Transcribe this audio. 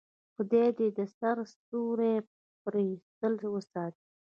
خدای دې د سر سیوری پرې تل وساتي.